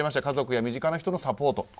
家族や身近な人からのサポート。